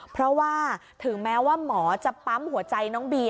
เพราะว่าถึงแม้ว่าหมอจะปั๊มหัวใจน้องบี